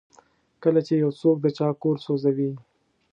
کله چې یو څوک د چا کور سوځوي.